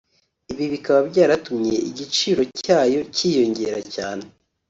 ibi bikaba byaratumye igiciro cyayo cyiyongera cyane